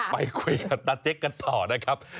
ไปคุยกับตาเจ๊กกันต่อนะครับ